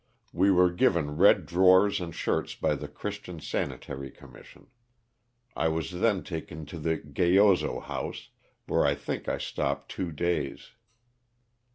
Wo were given red drawers and shirts by the Christian Sanitary Com mission. I was then taken to the ''Gayoso House," where 1 think I stopped two days.